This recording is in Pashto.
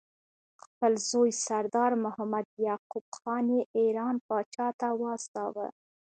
خپل زوی سردار محمد یعقوب خان یې ایران پاچا ته واستاوه.